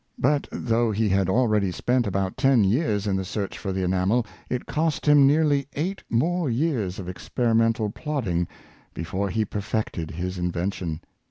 But, though he had already spent about ten years in the search for the enamel, it cost him nearly eight more years of experimental plodding before he perfected his invention.